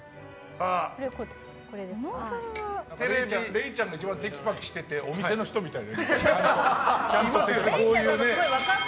れいちゃんが一番てきぱきしててお店の人みたい。